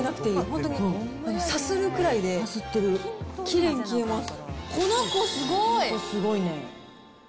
本当に、さするくらいできれいに消えます。